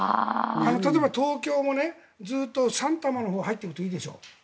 例えば東京もずっと三多摩のほうに入っていくといいでしょう。